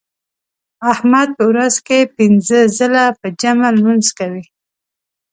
احمد په ورځ کې پینځه ځله په جمع لمونځ کوي.